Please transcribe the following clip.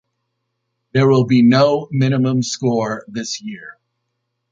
There will be no minimum score this year.